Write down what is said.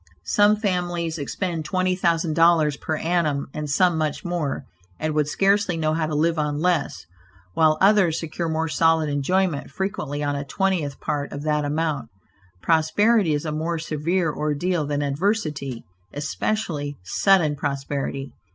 Some families expend twenty thousand dollars per annum, and some much more, and would scarcely know how to live on less, while others secure more solid enjoyment frequently on a twentieth part of that amount. Prosperity is a more severe ordeal than adversity, especially sudden prosperity.